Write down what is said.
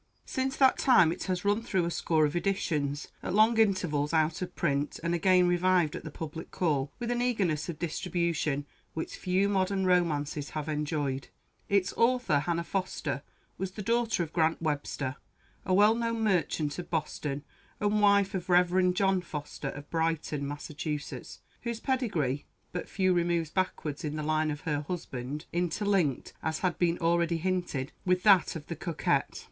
Since that time it has run through a score of editions, at long intervals out of print, and again revived at the public call with an eagerness of distribution which few modern romances have enjoyed. Its author, Hannah Foster, was the daughter of Grant Webster, a well known merchant of Boston, and wife of Rev. John Foster, of Brighton, Massachusetts, whose pedigree, but few removes backward in the line of her husband,[A] interlinked, as has been already hinted, with that of the "Coquette."